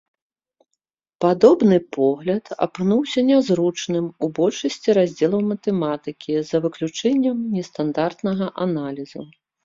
Падобны погляд апынуўся нязручным ў большасці раздзелаў матэматыкі за выключэннем нестандартнага аналізу.